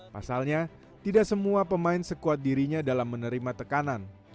pasalnya tidak semua pemain sekuat dirinya dalam menerima tekanan